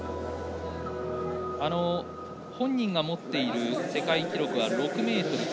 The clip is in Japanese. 本人が持っている世界記録は６ｍ９。